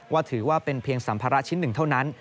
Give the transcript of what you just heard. ถือว่าเป็นเพียงสัมภาระชิ้นหนึ่งเท่านั้น